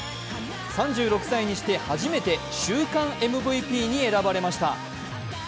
３６歳にして、初めて週間ＭＶＰに選ばれました。